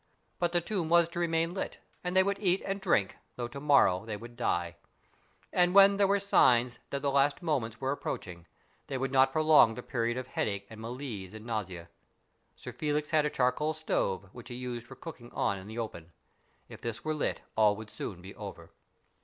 But the tomb was to remain lit, and they would eat and drink, though to morrow they would die. And when there were signs that the last moments were approaching they would not prolong the period of headache and malaise and nausea. Sir Felix had a charcoal stove, which he used for cooking on in the open. If this were lit all would soon be over.